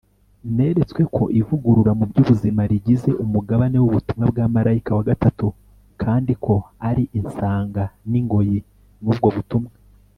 neretswe ko ivugurura mu by'ubuzima rigize umugabane w'ubutumwa bwa marayika wa gatatu, kandi ko ari insanga n'ingoyi n'ubwo butumwa